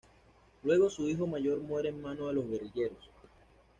Luego su hijo mayor muere en mano de los guerrilleros.